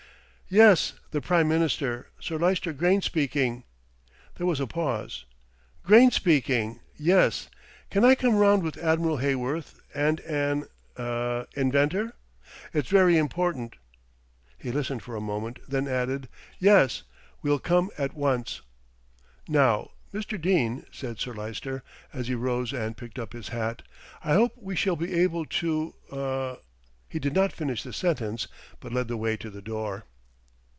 "Yes, the Prime Minister. Sir Lyster Grayne speaking." There was a pause. "Grayne speaking, yes. Can I come round with Admiral Heyworth and an er inventor? It's very important." He listened for a moment, then added, "Yes, we'll come at once." "Now, Mr. Dene," said Sir Lyster, as he rose and picked up his hat, "I hope we shall be able to er " He did not finish the sentence; but led the way to the door.